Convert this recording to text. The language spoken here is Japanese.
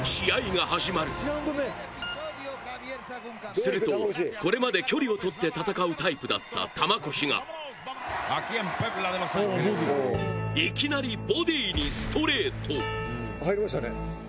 そしてするとこれまで距離を取って戦うタイプだった玉越がいきなりボディにストレート入りましたね。